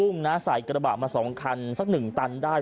มาสองคันสักหนึ่งตันได้